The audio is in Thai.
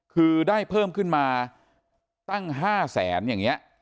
คือได้เพิ่มขึ้นมาตั้ง๕แสนอย่างนี้